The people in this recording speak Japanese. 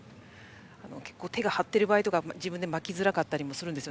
結構手が張っている場合とかは自分で巻きづらいんですよ